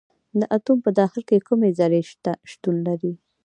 د اتوم په داخل کې کومې ذرې شتون لري.